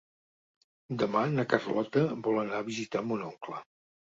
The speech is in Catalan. Demà na Carlota vol anar a visitar mon oncle.